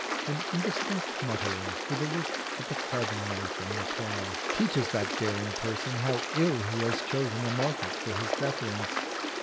An indistinct muttering, with a look at the carving knife in reply, teaches that daring person how ill he has chosen a market for his deference.